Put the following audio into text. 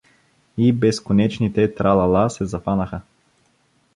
И безконечните тра-ла-ла се зафанаха.